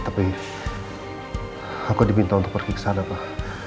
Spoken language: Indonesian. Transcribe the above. tapi aku dibintang untuk pergi ke sana pak